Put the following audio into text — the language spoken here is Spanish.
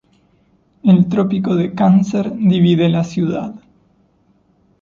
El trópico de Cáncer divide la ciudad.